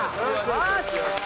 よし！